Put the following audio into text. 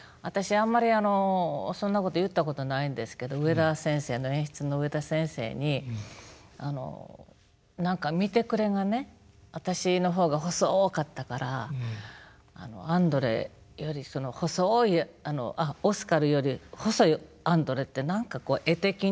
あんまりあのそんなこと言ったことないんですけど植田先生演出の植田先生にあの何か見てくれがね私の方が細かったからアンドレより細いあのあっオスカルより細いアンドレって何かこう絵的に。